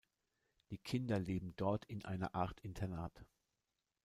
Die Kinder leben dort in einer Art Internat.